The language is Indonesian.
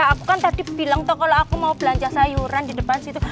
aku kan tadi bilang toh kalau aku mau belanja sayuran di depan situ